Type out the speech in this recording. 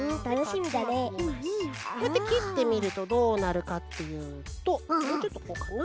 こうやってきってみるとどうなるかっていうともうちょっとこうかな。